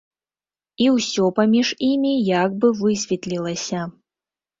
І ўсё паміж імі як бы высветлілася.